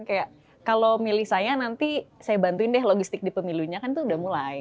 kayak kalau milih saya nanti saya bantuin deh logistik di pemilunya kan tuh udah mulai